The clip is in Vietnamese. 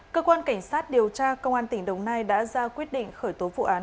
cơ quan cảnh sát điều tra công an tỉnh đồng nai đã ra quyết định khởi tố vụ án